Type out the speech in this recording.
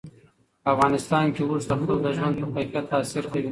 په افغانستان کې اوښ د خلکو د ژوند په کیفیت تاثیر کوي.